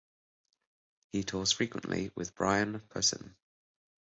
He tours frequently with Brian Posehn.